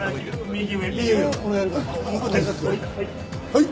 はい。